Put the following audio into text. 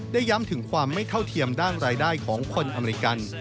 ย้ำถึงความไม่เท่าเทียมด้านรายได้ของคนอเมริกัน